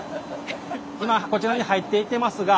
今こちらに入っていってますが。